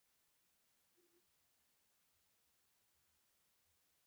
موږ په دې برخه کې د لرغونو وختونو شواهد نه لرو